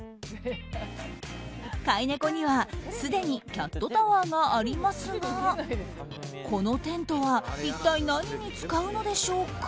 飼い猫にはすでにキャットタワーがありますがこのテントは一体何に使うのでしょうか？